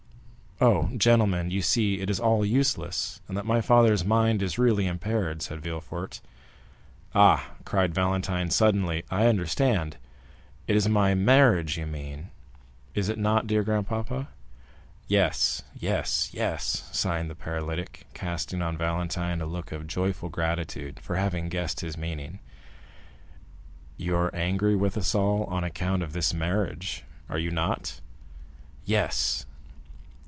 "Oh, gentlemen, you see it is all useless, and that my father's mind is really impaired," said Villefort. "Ah," cried Valentine suddenly, "I understand. It is my marriage you mean, is it not, dear grandpapa?" "Yes, yes, yes," signed the paralytic, casting on Valentine a look of joyful gratitude for having guessed his meaning. 30179m "You are angry with us all on account of this marriage, are you not?" "Yes?"